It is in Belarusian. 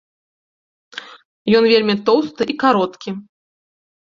Ён вельмі тоўсты і кароткі.